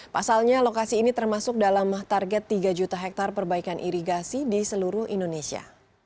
pasalnya lokasi ini termasuk dalam target tiga juta hektare perbaikan irigasi di seluruh indonesia